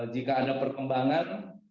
jika ada perkembangan